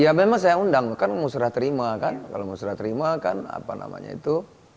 ya memang saya undang kan mau serah terima kan kalau mau serah terima kan apa namanya itu